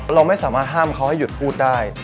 เราไม่สามารถห้ามเขาให้หยุดพูดได้